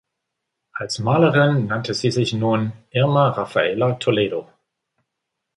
Als Malerin nannte sie sich nun Irma Rafaela Toledo.